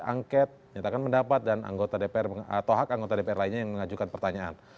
angket menyatakan pendapat dan anggota dpr atau hak anggota dpr lainnya yang mengajukan pertanyaan